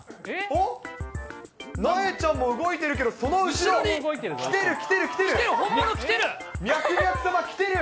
おっ、なえちゃんも動いてるけど、その後ろ、来てる、来てる。